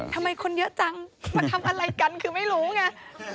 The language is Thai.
ทำไมคนเยอะจังมาทำอะไรกันคือไม่รู้ไง